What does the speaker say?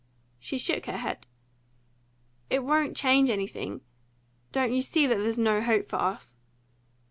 She shook her head. "It won't change anything? Don't you see that there's no hope for us?"